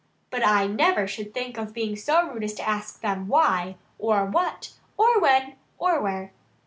But I never should think of being so rude as to ask them WHY, or WHAT, or WHEN, or WHERE."